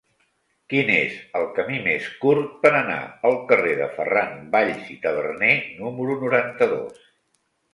Quin és el camí més curt per anar al carrer de Ferran Valls i Taberner número noranta-dos?